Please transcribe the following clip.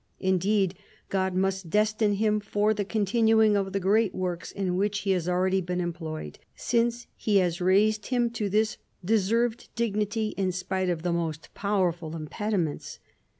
Indeed, God must destine him for the continuing of the great works in which he has already been employed, since He has raised him to this deserved dignity in spite of the most powerful impediments."